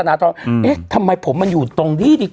เอ๊ะทำไมผมมันอยู่ตรงนี้ดี